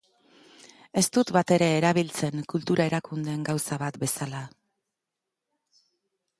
Ez dut batere erabiltzen kultura erakundeen gauza bat bezala.